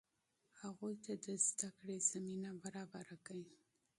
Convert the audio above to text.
هغوی ته د زده کړې زمینه برابره کړئ.